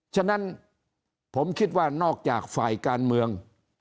ฉะนั้นผมคิดว่านอกจากฝ่ายการเมือง